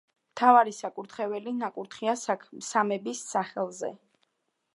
მთავარი საკურთხეველი ნაკურთხია სამების სახელზე.